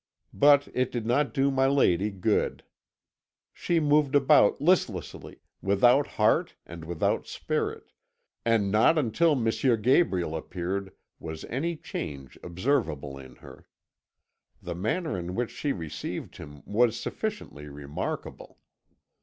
But it did not do my lady good. She moved about listlessly, without heart and without spirit, and not until M. Gabriel appeared was any change observable in her. The manner in which she received him was sufficiently remarkable.